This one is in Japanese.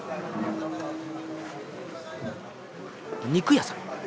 肉屋さん。